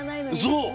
そう。